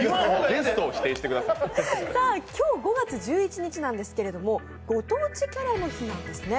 今日５月１１日なんですけど、ご当地キャラの日なんですね。